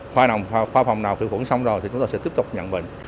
khoa phòng nào khử khuẩn xong rồi thì chúng tôi sẽ tiếp tục nhận bệnh